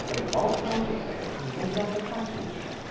They bolt out of bed and run down the passage.